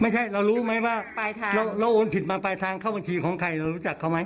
เรารู้ไหมว่าเราโอนผิดมาปลายทางเข้าบัญชีของใครเรารู้จักเขาไหม